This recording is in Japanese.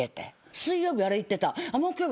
木曜日あれ行ってた。